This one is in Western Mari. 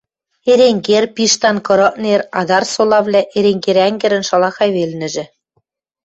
Эренгер, Пиштан, Кырыкнер, Адар солавлӓ — Эренгер ӓнгӹрӹн шалахай велнӹжӹ